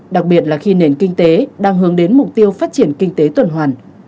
đặc biệt là khi nền kinh tế đang hướng đến mục tiêu phát triển kinh tế tuần hoàn